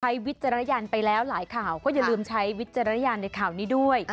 วิจารณญาณไปแล้วหลายข่าวก็อย่าลืมใช้วิจารณญาณในข่าวนี้ด้วย